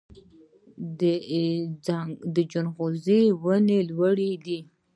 د ځنغوزي ونه لوړه ده